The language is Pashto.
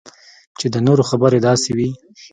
چې د نورو خبرې داسې وي